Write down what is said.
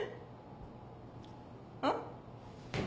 うん？